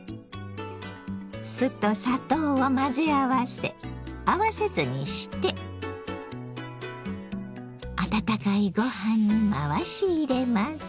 酢と砂糖を混ぜ合わせ合わせ酢にして温かいご飯に回し入れます。